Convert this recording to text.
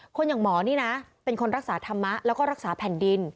อย่างหมอนี่นะเป็นคนรักษาธรรมะแล้วก็รักษาแผ่นดิน